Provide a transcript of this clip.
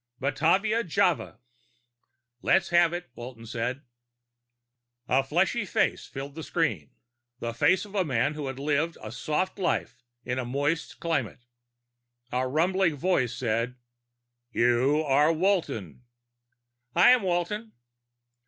"Batavia. Java." "Let's have it," Walton said. A fleshy face filled the screen, the face of a man who had lived a soft life in a moist climate. A rumbling voice said, "You are Walton." "I am Walton."